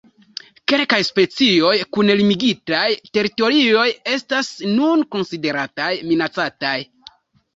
Kelkaj specioj kun limigitaj teritorioj estas nun konsiderataj minacataj.